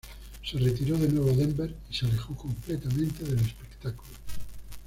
Se retiró de nuevo a Denver y se alejó completamente del espectáculo.